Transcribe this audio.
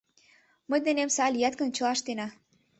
Мый денем сай лият гын, чыла ыштена...